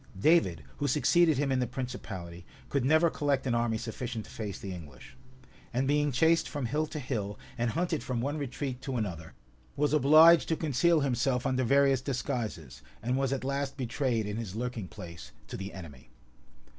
[] David, who succeeded him in the principality, could never collect an army sufficient to face the English; and being chased from hill to hill, and hunted from one retreat to another, was obliged to conceal himself under various disguises, and was at last betrayed in his lurking place to the enemy.